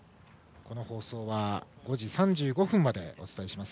この放送は５時３５分までお伝えします。